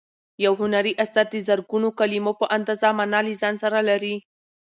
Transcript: یو هنري اثر د زرګونو کلیمو په اندازه مانا له ځان سره لري.